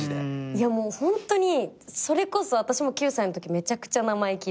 いやもうホントにそれこそ私も９歳のときめちゃくちゃ生意気で。